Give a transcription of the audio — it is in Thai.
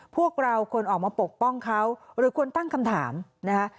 พวกเราควรออกมาปกป้องเขาหรือควรตั้งคำถามนะคะ